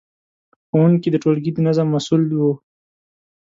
ښوونکي د ټولګي د نظم مسؤل وو.